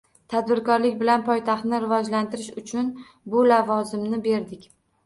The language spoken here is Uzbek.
Tadbirkorlik bilan poytaxtni rivojlantirishi uchun bu lavozimni berdik